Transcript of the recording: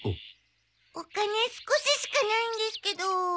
お金少ししかないんですけど。